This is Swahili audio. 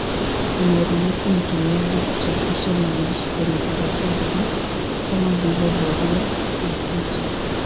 Inaruhusu mtumiaji kuchapisha maandishi kwenye karatasi, kama vile barua na picha.